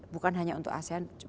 bukan hanya untuk asean